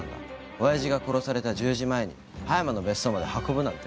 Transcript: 親父が殺された１０時前に葉山の別荘まで運ぶなんて。